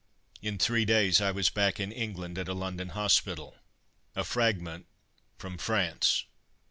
In three days I was back in England at a London hospital "A fragment from France."